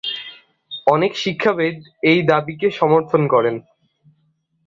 অনেক শিক্ষাবিদ এই দাবীকে সমর্থন করেন।